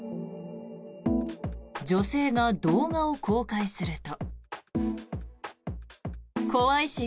女性が動画を公開すると。